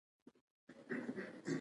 زه يو شپون يم